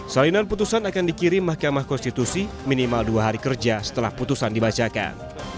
salinan putusan akan dikirim mahkamah konstitusi minimal dua hari kerja setelah putusan dibacakan